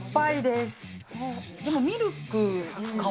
でもミルクかも。